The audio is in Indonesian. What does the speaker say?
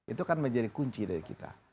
itu kan menjadi kunci dari kita